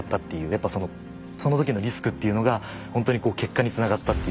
やっぱその時のリスクというのがほんとに結果につながったという。